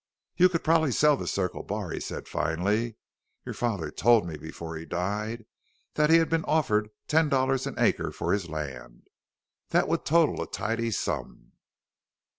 "You could probably sell the Circle Bar," he said finally. "Your father told me before he died that he had been offered ten dollars an acre for his land. That would total to a tidy sum."